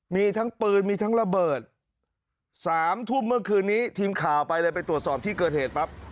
มีทั้งปืนมีทั้งระเบิดสามทุ่มเมื่อคืนนี้ทีมข่าวไปเลยไปตรวจสอบที่เกิดเหตุปั๊บ